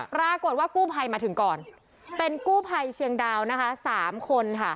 ปรากฏว่ากู้ภัยมาถึงก่อนเป็นกู้ภัยเชียงดาวนะคะ๓คนค่ะ